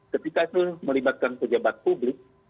ketika itu melibatkan pejabat publik